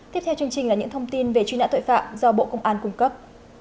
tiếp theo là những thông tin về truy nãn tội phạm do bộ công an cung cấp